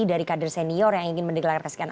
dari kader senior yang ingin mendeklarasikan